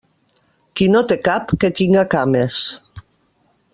Qui no té cap, que tinga cames.